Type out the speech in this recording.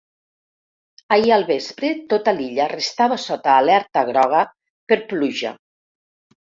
Ahir al vespre tota l’illa restava sota alerta groga per pluja.